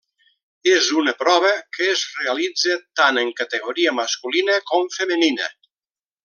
És una prova que es realitza tant en categoria masculina com femenina.